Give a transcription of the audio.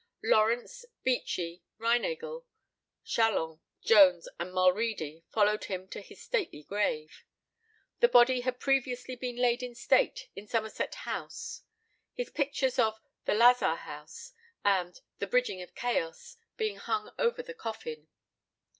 Lawrence, Beechey, Reinagle, Chalon, Jones, and Mulready followed him to his stately grave. The body had previously been laid in state in Somerset House, his pictures of "The Lazar House" and "The Bridging of Chaos" being hung over the coffin.